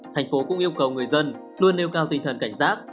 tp hcm cũng yêu cầu người dân luôn nêu cao tinh thần cảnh giác